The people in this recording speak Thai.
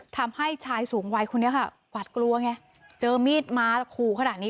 ทำให้ชายสูงวัยคนนี้ค่ะหวาดกลัวไงเจอมีดมาขู่ขนาดนี้